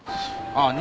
ああ。